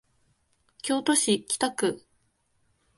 京都市北区